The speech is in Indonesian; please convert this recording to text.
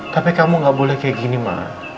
tapi kamu gak boleh kayak gini mah